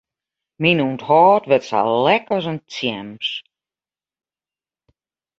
Myn ûnthâld wurdt sa lek as in tjems.